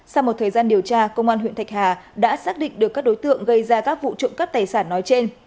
sau một thời gian điều tra công an huyện thạch hà đã xác định được các đối tượng gây ra các vụ trộm cắp tài sản nói trên